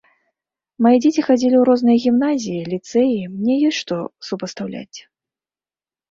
Мае дзеці хадзілі ў розныя гімназіі, ліцэі, мне ёсць што супастаўляць.